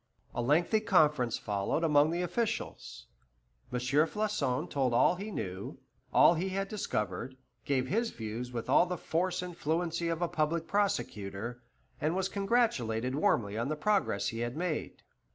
A lengthy conference followed among the officials. M. Floçon told all he knew, all he had discovered, gave his views with all the force and fluency of a public prosecutor, and was congratulated warmly on the progress he had made.